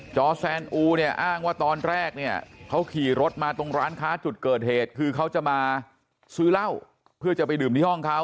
จอแซนอูเนี่ยอ้างว่าตอนแรกเนี่ยเขาขี่รถมาตรงร้านค้าจุดเกิดเหตุคือเขาจะมาซื้อเหล้าเพื่อจะไปดื่มที่ห้องเขา